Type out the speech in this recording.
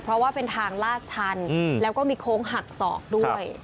เพราะว่าเป็นทางลาดชันแล้วก็มีโค้งหักศอกด้วย